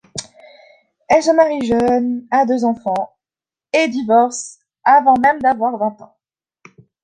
Elle se marie jeune, a deux enfants et divorce avant même d’avoir vingt ans.